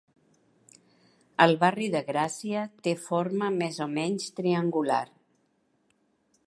El barri de Gràcia té forma més o menys triangular.